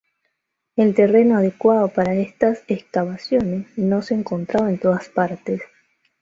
El terreno adecuado para estas excavaciones no se encontraba en todas partes.